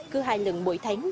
cứ hai lần mỗi tháng